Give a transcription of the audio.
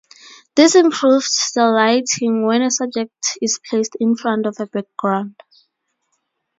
This improves the lighting when a subject is placed in front of a background.